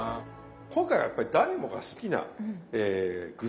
今回はやっぱり誰もが好きな具材。